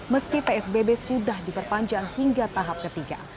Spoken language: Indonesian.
meski psbb sudah diperpanjang hingga tahap ketiga